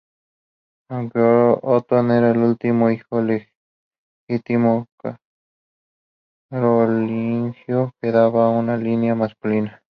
Aunque Otón era el último hijo legítimo carolingio, quedaba una línea masculina.